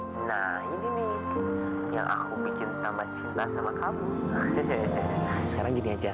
sekarang gini aja coba kamu bermain mata kamu sekarang nanti pas